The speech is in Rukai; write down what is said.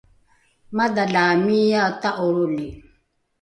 madhalaamiae ta’olroli